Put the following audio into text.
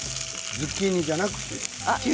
ズッキーニじゃなくて？